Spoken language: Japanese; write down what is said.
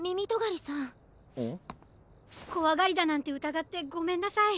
こわがりだなんてうたがってごめんなさい！